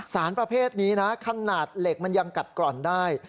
สารประเภทนี้นะขนาดเหล็กมันยังกัดกร่อนได้